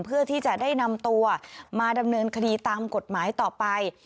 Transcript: เพื่อที่จะได้นำตัวมาดำเนินคดีตามกฎหมายต่อไป